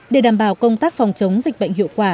để đảm bảo công tác phòng chống dịch bệnh hiệu quả